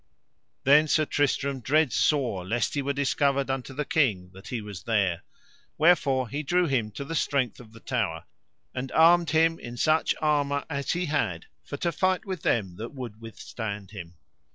Then Sir Tristram dread sore lest he were discovered unto the king that he was there; wherefore he drew him to the strength of the Tower, and armed him in such armour as he had for to fight with them that would withstand him.